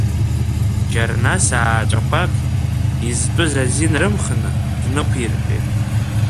Џьарнас ааҵәақәак, изтәыз азин рымхны, днықәиртәеит.